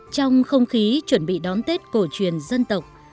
trong không khí chuẩn bị đón tết cổ truyền dân tộc